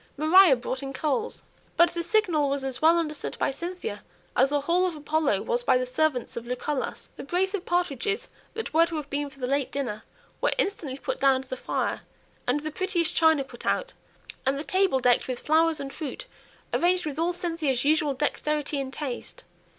Maria brought in coals. But the signal was as well understood by Cynthia as the "Hall of Apollo" was by the servants of Lucullus. The brace of partridges that were to have been for the late dinner were instantly put down to the fire; and the prettiest china brought out, and the table decked with flowers and fruit, arranged with all Cynthia's usual dexterity and taste.